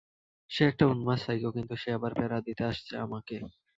সে একটা উম্মাদ সাইকো, কিন্তু সে আবার প্যারা দিতে আসছে আমাকে।